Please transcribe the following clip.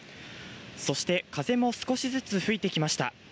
そして、風も少しずつ吹いてきました。